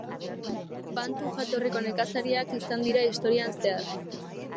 Bantu jatorriko nekazariak izan dira historian zehar.